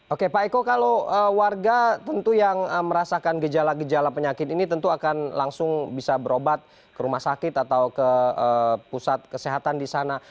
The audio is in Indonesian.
oke pak eko kalau warga tentu yang merasakan gejala gejala penyakit ini tentu akan langsung bisa berobat ke rumah sakit atau ke pusat kesehatan di sana